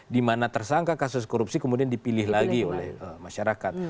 dimana tersangka kasus korupsi kemudian dipilih lagi oleh masyarakat